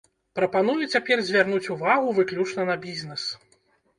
Прапаную цяпер звярнуць увагу выключна на бізнес.